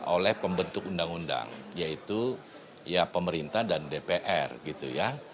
oleh pembentuk undang undang yaitu ya pemerintah dan dpr gitu ya